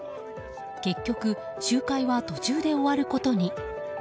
結局、集会は途中で終わることに。